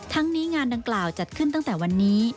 นี้งานดังกล่าวจัดขึ้นตั้งแต่วันนี้